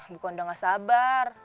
bukan udah gak sabar